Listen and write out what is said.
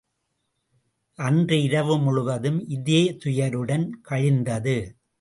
அன்று இரவு முழுவதும் இதே துயருடன் கழிந்தது.